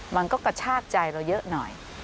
มันก็กระชากใจเราเยอะหน่อย